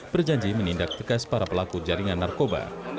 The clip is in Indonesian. berjanji menindak tegas para pelaku jaringan narkoba